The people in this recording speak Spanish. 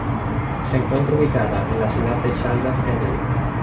Se encuentra ubicada en la Ciudad de Charlotte Amalie.